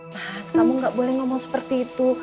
pas kamu gak boleh ngomong seperti itu